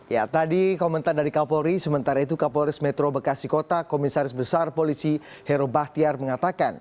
ya tadi komentar dari kapolri sementara itu kapolres metro bekasi kota komisaris besar polisi hero bahtiar mengatakan